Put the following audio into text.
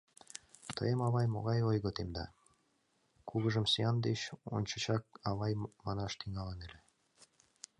— Тыйым, авай, могай ойго темда? — кугыжым сӱан деч ончычак «авай» манаш тӱҥалын ыле.